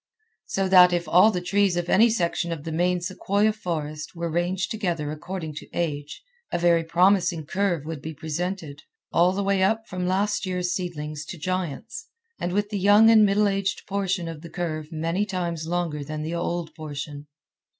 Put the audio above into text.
So that if all the trees of any section of the main sequoia forest were ranged together according to age, a very promising curve would be presented, all the way up from last year's seedlings to giants, and with the young and middle aged portion of the curve many times longer than the old portion.